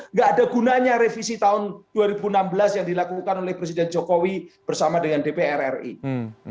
nggak ada gunanya revisi tahun dua ribu enam belas yang dilakukan oleh presiden jokowi bersama dengan dpr ri